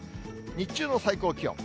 日中の最高気温。